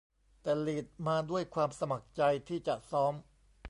แต่ลีดมาด้วยความสมัครใจที่จะซ้อม